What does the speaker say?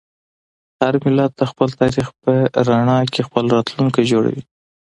هر ملت د خپل تاریخ په رڼا کې خپل راتلونکی جوړوي.